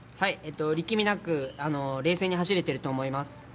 力みなく、冷静に走れていると思います